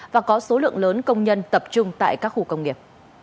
và có số lượng lớn công nhân tập trung tại các khu công nghiệp